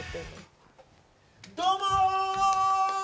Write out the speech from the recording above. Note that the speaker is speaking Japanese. どうも！